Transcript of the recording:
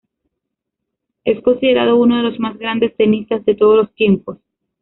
Es considerado uno de los más grandes tenistas de todos los tiempos.